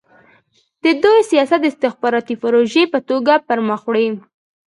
دوی سیاست د استخباراتي پروژې په توګه پرمخ وړي.